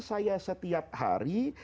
saya setiap hari